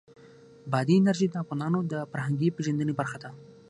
بادي انرژي د افغانانو د فرهنګي پیژندنې برخه ده.